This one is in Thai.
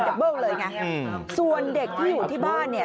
เบิ้งเลยไงส่วนเด็กที่อยู่ที่บ้านเนี่ย